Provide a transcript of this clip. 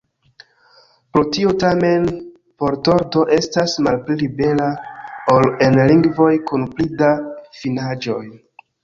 Pro tio, tamen, vortordo estas malpli libera, ol en lingvoj kun pli da finaĵoj.